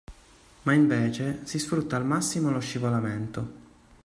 Ma invece, si sfrutta al massimo lo scivolamento.